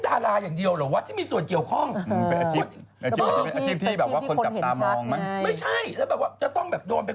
ว่าดาราคนไหนมีส่วนเดียวของ